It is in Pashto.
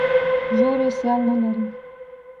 زور یې سیال نه لري.